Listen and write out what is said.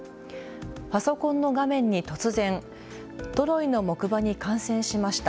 パソコンの画面に突然、トロイの木馬に感染しました。